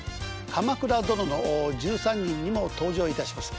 「鎌倉殿の１３人」にも登場いたします